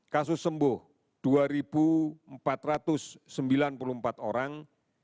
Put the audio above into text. kasus sembuh dua empat ratus sembilan puluh empat orang